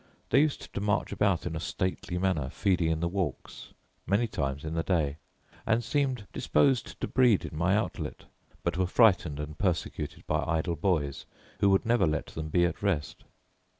They used to march about in a stately manner, feeding in the walks, many times in the day; and seemed disposed to breed in my outlet; but were frightened and persecuted by idle boys, who would never let them be at rest.